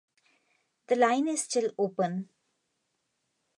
The line is still open.